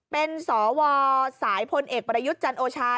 เป็นสวสายพลเอกประยุทธ์จันโอชา